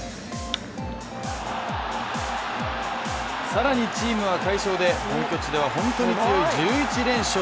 更に、チームは快勝で本拠地では本当に強い１１連勝！